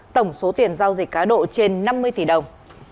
tổng số tiền giao dịch cá độ trên năm mươi tỷ đồng